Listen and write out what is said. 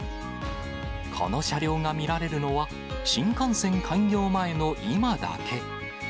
この車両が見られるのは、新幹線開業前の今だけ。